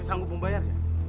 aku sanggup membayar